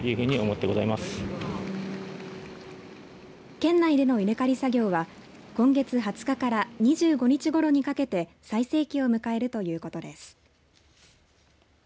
県内での稲刈り作業は今月２０日から２５日ごろにかけて最盛期を迎えるということです。